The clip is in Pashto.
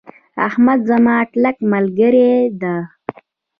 احمد زما کلک ملګری ده.